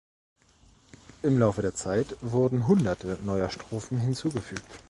Im Laufe der Zeit wurden Hunderte neuer Strophen hinzugefügt.